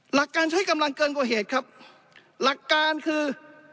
หลักการใช้กำลังเกินกว่าเหตุครับหลักการคือ